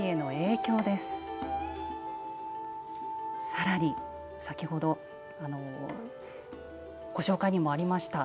さらに、先ほどご紹介にもありました